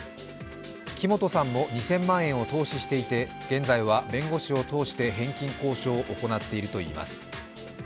木本さんも２０００万円を投資していて現在は弁護士を通して返金交渉を行っているといいます。